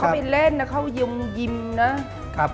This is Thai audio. เขาไปเล่นนะเขายิ้มนะ